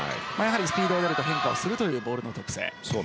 スピードよりも変化をするというボールの特性。